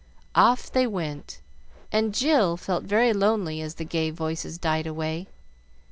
Off they went, and Jill felt very lonely as the gay voices died away.